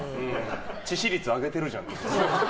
致死率あげてるじゃんって。